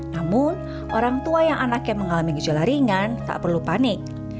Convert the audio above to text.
namun orang tua yang anaknya mengalami gejala ringan tak perlu panik